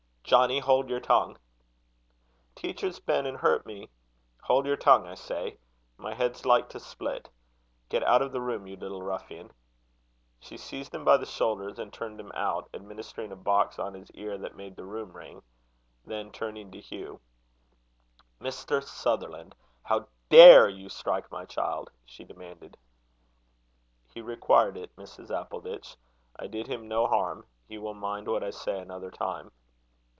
"Johnny, hold your tongue!" "Teacher's been and hurt me." "Hold your tongue, I say. My head's like to split. Get out of the room, you little ruffian!" She seized him by the shoulders, and turned him out, administering a box on his ear that made the room ring. Then turning to Hugh, "Mr. Sutherland, how dare you strike my child?" she demanded. "He required it, Mrs. Appleditch. I did him no harm. He will mind what I say another time."